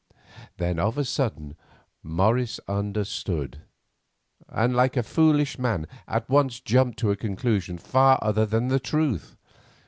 Then of a sudden Morris understood, and, like a foolish man, at once jumped to a conclusion far other than the truth.